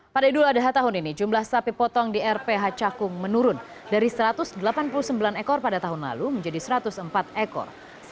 pada idul adha tahun ini jumlah sapi potong di rph cakung menurun dari satu ratus delapan puluh sembilan ekor pada tahun lalu menjadi satu ratus empat ekor